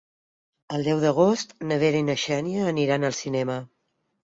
El deu d'agost na Vera i na Xènia aniran al cinema.